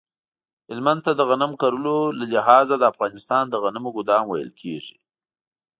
هلمند ته د غنم کرلو له لحاظه د افغانستان د غنمو ګدام ویل کیږی